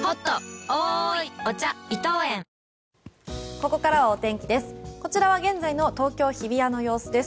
ここからはお天気です。